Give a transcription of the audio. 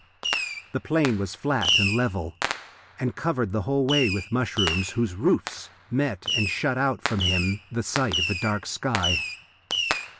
The plain was flat and level, and covered the whole way with the mushrooms, whose roofs met and shut out from him the sight of the dark sky.